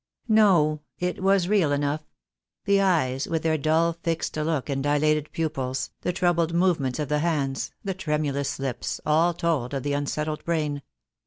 No, it was real enough. The eyes, with their dull fixed look and dilated pupils, the troubled movements of the hands, the tremulous lips, all told of the unsettled brain.